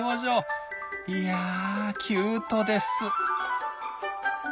いやキュートです。